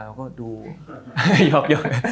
เราก็ดูยอบ